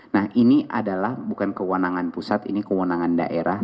nah ini adalah bukan kewenangan pusat ini kewenangan daerah